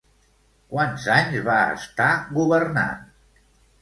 Quants anys va estar governant?